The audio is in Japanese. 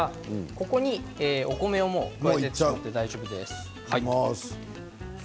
ここに、お米を入れて大丈夫です。